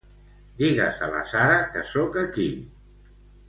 Digues a la Sara que soc aquí.